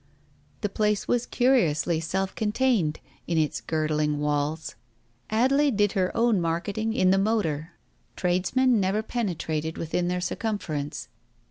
The place was curiously self contained, in its girdling walls. Adelaide did her own marketing in the motor, Digitized by Google THE TIGER SKIN 271 tradesmen never penetrated within their circumference.